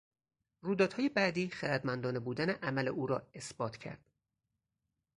رویدادهای بعدی خردمندانه بودن عمل او را اثبات کرد.